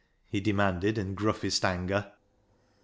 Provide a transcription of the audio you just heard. " he demanded in gruffest anger.